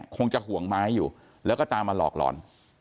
คงจะห่วงไม้อยู่แล้วก็ตามมาหลอกหลอน